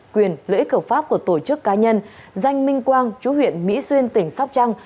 quyền lợi ích hợp pháp của tổ chức cá nhân danh minh quang chú huyện mỹ xuyên tỉnh sóc trăng